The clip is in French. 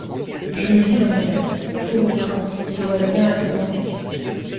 Je me dis en moi-même : «Pauvre prince, te voilà bien récompensé.